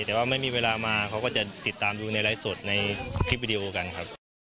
แต่ว่าไม่มีเวลามาเขาก็จะติดตามดูในไลฟ์สดในคลิปวิดีโอกันครับ